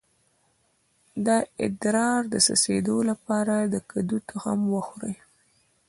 د ادرار د څڅیدو لپاره د کدو تخم وخورئ